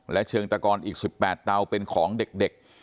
และเชิงตะกอนอีก๑๘เตาเป็นของเด็ก